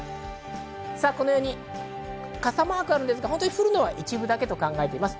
このように傘マークがあるんですが、降るのは一部だけと考えています。